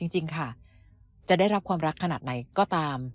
จริงค่ะจะได้รับความรักขนาดไหนก็ตาม